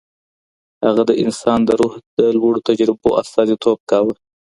هغه د انسان د روح د لوړو تجربو استازیتوب کاوه.